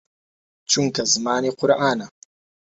چونکە زمانی قورئانە